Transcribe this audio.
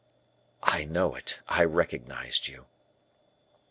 "I know it; I recognized you."